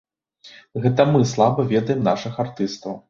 Гэта мы слаба ведаем нашых артыстаў.